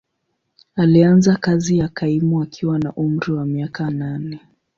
Alianza kazi ya kaimu akiwa na umri wa miaka nane.